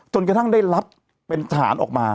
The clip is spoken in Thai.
จนกระทั่งได้รับเป็นทหารออกมา